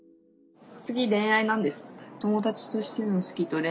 次恋愛なんです。